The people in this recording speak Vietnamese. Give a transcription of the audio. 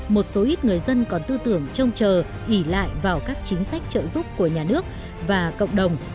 một số ít người dân còn tư tưởng trông chờ ỉ lại vào các chính sách trợ giúp của nhà nước và cộng đồng